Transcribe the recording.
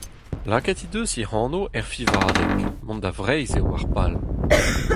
Lakaet he deus hec'h anv er fiñvadeg, mont da Vreizh eo ar pal.